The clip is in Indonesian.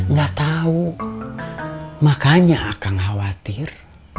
gak tahu makanya akang khawatir